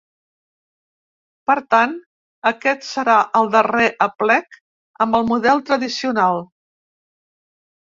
Per tant, aquest serà el darrer aplec amb el model tradicional.